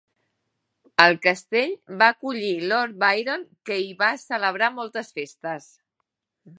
El castell va acollir Lord Byron, que hi va celebrar moltes festes.